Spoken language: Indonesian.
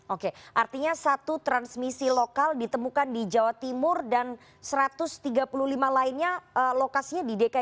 oke artinya satu transmisi lokal ditemukan di jawa timur dan satu ratus tiga puluh lima lainnya lokasinya di dki jakarta